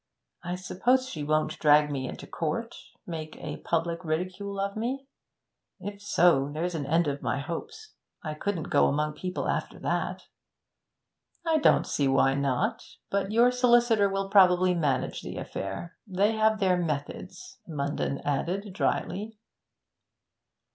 'I suppose she won't drag me into court make a public ridicule of me? If so, there's an end of my hopes. I couldn't go among people after that.' 'I don't see why not. But your solicitor will probably manage the affair. They have their methods,' Munden added drily.